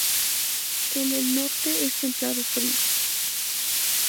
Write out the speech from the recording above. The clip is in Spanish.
El el norte es templado-frío.